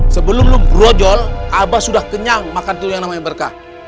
sebelum lu grojol abah sudah kenyang makan itu yang namanya berkah